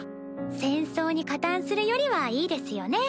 戦争に加担するよりはいいですよね。